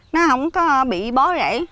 nó không có bị bó rễ